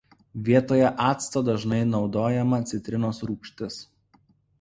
Vietoje acto dažnai naudojama citrinos rūgštis.